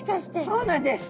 そうなんです。